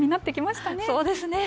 そうですか。